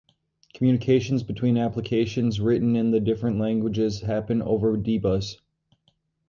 Communications between applications written in the different languages happen over D-Bus.